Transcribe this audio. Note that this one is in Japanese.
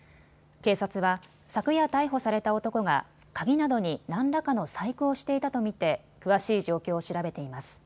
警察は昨夜逮捕された男が鍵などに何らかの細工をしていたと見て詳しい状況を調べています。